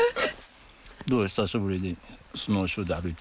どうでした久しぶりにスノーシューで歩いて。